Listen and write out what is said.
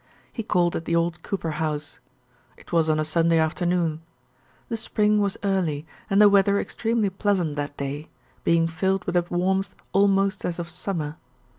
He called at the old Cooper house. It was on a Sunday afternoon. The spring was early and the weather extremely pleasant that day, being filled with a warmth almost as of summer.